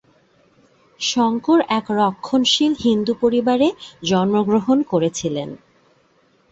শঙ্কর এক রক্ষণশীল হিন্দু পরিবারে জন্মগ্রহণ করেছিলেন।